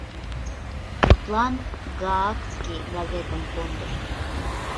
Тудлан гаагский газетым кондышт.